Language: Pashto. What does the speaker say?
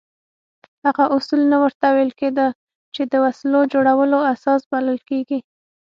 هغه اصول نه ورته ویل کېده چې د وسلو جوړولو اساس بلل کېږي.